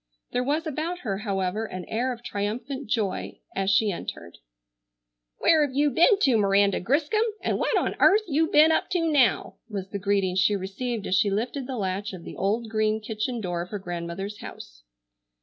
There was about her, however, an air of triumphant joy as she entered. "Where have you ben to, Miranda Griscom, and what on airth you ben up to now?" was the greeting she received as she lifted the latch of the old green kitchen door of her grandmother's house.